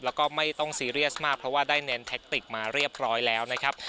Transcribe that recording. แล้วก็ไม่ต้องซีเรียสมากเพราะว่าได้เน้นแท็กติกมาเรียบร้อยแล้วนะครับ